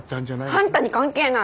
あんたに関係ない。